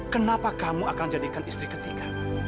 kenapa kamu akan jadikan istri ketiga